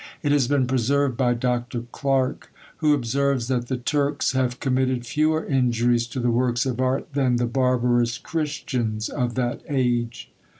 It has been preserved by Dr. Clarke; who observes, that the Turks have committed fewer injuries to the works of art than the barbarous Christians of that age.